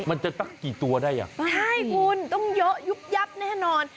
สักกี่ตัวได้อ่ะใช่คุณต้องเยอะยุบยับแน่นอน